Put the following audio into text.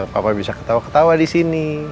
papa bisa ketawa ketawa disini